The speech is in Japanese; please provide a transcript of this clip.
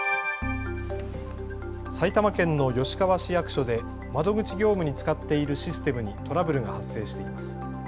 埼玉県の吉川市役所で窓口業務に使っているシステムにトラブルが発生しています。